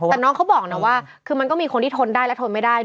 แต่น้องเขาบอกนะว่าคือมันก็มีคนที่ทนได้และทนไม่ได้